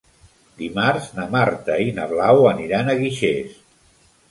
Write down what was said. Dimarts na Marta i na Blau aniran a Guixers.